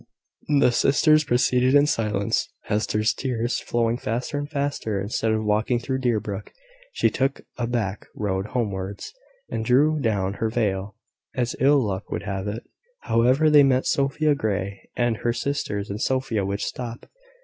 The sisters proceeded in silence, Hester's tears flowing faster and faster. Instead of walking through Deerbrook, she took a back road homewards, and drew down her veil. As ill luck would have it, however, they met Sophia Grey and her sisters, and Sophia would stop.